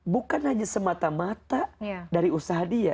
bukan hanya semata mata dari usaha dia